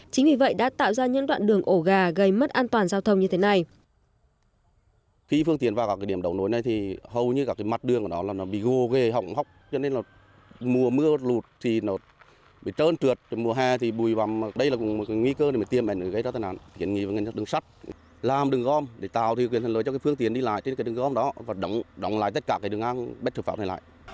chính vì vậy đã tạo ra những đoạn đường ổ gà gây mất an toàn giao thông như thế này